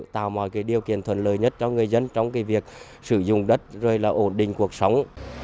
tạo mọi điều kiện thuận lợi nhất cho người dân trong việc sử dụng đất rồi là ổn định cuộc sống